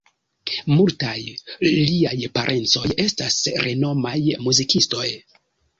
Multaj liaj parencoj estas renomaj muzikistoj.